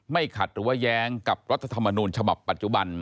ขัดหรือว่าแย้งกับรัฐธรรมนูญฉบับปัจจุบัน